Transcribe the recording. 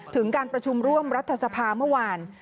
ถึงการประชุมร่วมรัฐสภาเมื่อวาน